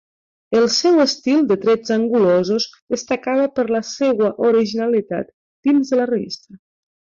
El seu estil, de trets angulosos, destacava per la seua originalitat dins de la revista.